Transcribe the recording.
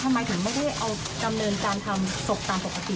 ทำไมถึงไม่ได้เอาดำเนินการทำศพตามปกติ